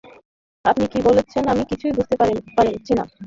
আপনি কী বলছেন আমি কিছুই বুঝতে পারছি না।